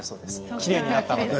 きれいになったので。